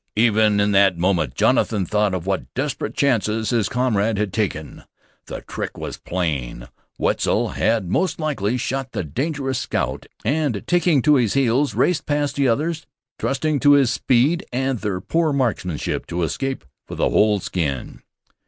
Even in that moment Jonathan thought of what desperate chances his comrade had taken. The trick was plain. Wetzel had, most likely, shot the dangerous scout, and, taking to his heels, raced past the others, trusting to his speed and their poor marksmanship to escape with a whole skin.